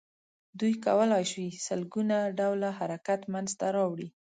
دوی کولای شي سل ګونه ډوله حرکت منځ ته راوړي.